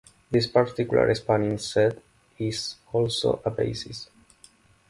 This particular spanning set is also a basis.